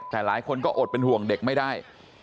แต่หลายคนก็อดเป็นห่วงเด็กไม่ได้